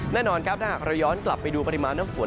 แน่นอนครับถ้าหากเราย้อนกลับไปดูปริมาณน้ำฝน